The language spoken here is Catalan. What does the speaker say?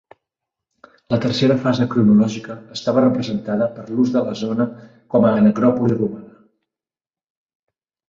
La tercera fase cronològica estava representada per l'ús de la zona com a necròpoli romana.